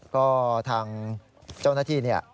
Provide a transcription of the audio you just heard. ก็ทางเจ้าหน้าที่เนี่ย